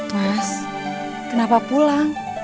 mas kenapa pulang